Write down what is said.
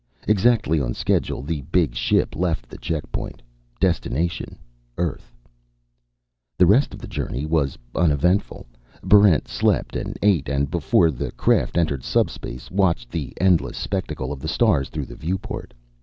Exactly on schedule, the big ship left the checkpoint. Destination: Earth. The rest of the journey was uneventful. Barrent slept and ate and, before the craft entered subspace, watched the endless spectacle of the stars through the viewport.